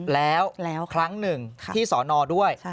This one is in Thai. แล้วครั้งหนึ่งที่สอนอด้วย